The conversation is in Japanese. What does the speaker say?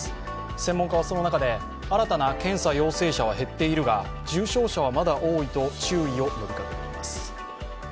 専門家はその中で新たな検査陽性者は減っているが重症者はまだ多いと注意を呼びかけています。